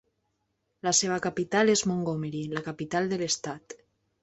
La seva capital és Montgomery, la capital de l'estat.